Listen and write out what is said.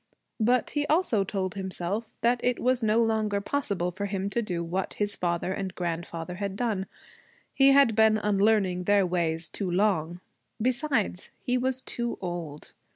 But he also told himself that it was no longer possible for him to do what his father and grandfather had done. He had been unlearning their ways too long. Besides, he was too old.